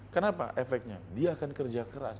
kenapa efeknya dia akan kerja keras